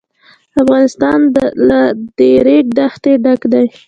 افغانستان له د ریګ دښتې ډک دی.